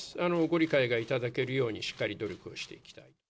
ご理解が頂けるようにしっかり努力をしていきたい。